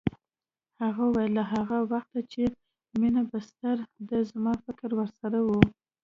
هغه وویل له هغه وخته چې مينه بستر ده زما فکر ورسره و